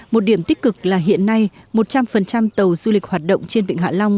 một điểm tích cực là hiện nay một trăm linh tàu du lịch hoạt động trên vịnh hạ long